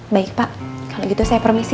baik pak kalau gitu saya permisi